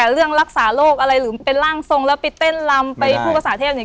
เรื่องรักษาโรคอะไรหรือเป็นร่างทรงแล้วไปเต้นลำไปพูดภาษาเทพเนี่ย